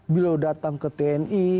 beliau datang ke tni